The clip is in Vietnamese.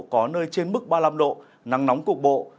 có nơi trên mức ba mươi năm độ nắng nóng cục bộ